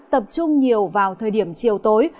tập trung nhiều vào thời điểm chiều tối